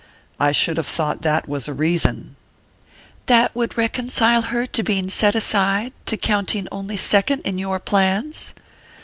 "I should have thought that was a reason " "That would reconcile her to being set aside, to counting only second in your plans?"